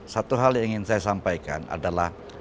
satu hal yang ingin saya sampaikan adalah